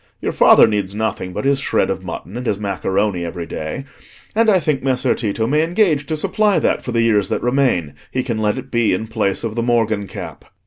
Your father needs nothing but his shred of mutton and his macaroni every day, and I think Messer Tito may engage to supply that for the years that remain; he can let it be in place of the morgen cap."